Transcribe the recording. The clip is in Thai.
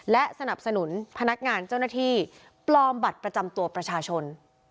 และสนับสนุนพนักงานเจ้าหน้าที่ปลอมบัตรประจำตัวประชาชน